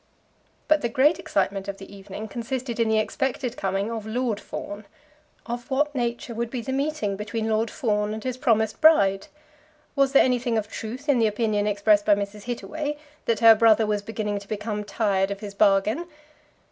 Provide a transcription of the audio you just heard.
But the great excitement of the evening consisted in the expected coming of Lord Fawn. Of what nature would be the meeting between Lord Fawn and his promised bride? Was there anything of truth in the opinion expressed by Mrs. Hittaway that her brother was beginning to become tired of his bargain?